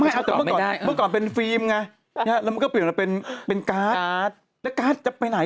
ไม่แต่เมื่อก่อนเป็นฟิล์มไงแล้วมันก็เปลี่ยนเป็นการ์ดแล้วการ์ดจะไปไหน